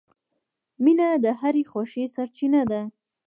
• مینه د هرې خوښۍ سرچینه ده.